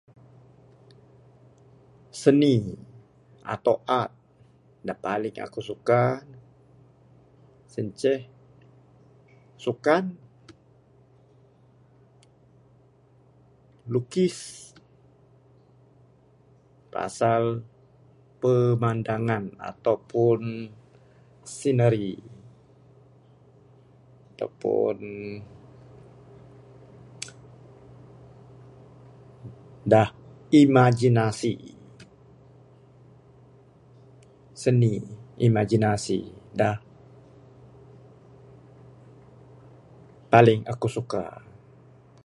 Seni, atau art da paling aku suka sien ceh sukan, lukis, pasal pemandangan ataupun sineri ataupun ... dah imaginasi, seni imaginasi dah paling aku suka.